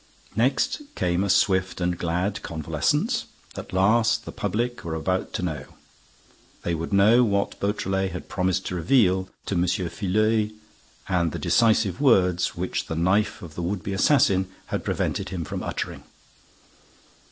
Next came a swift and glad convalescence. At last, the public were about to know! They would know what Beautrelet had promised to reveal to M. Filleul and the decisive words which the knife of the would be assassin had prevented him from uttering!